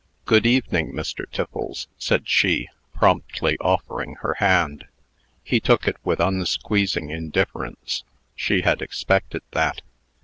"Good evening, Mr. Tiffles," said she, promptly offering her hand. He took it with unsqueezing indifference. She had expected that.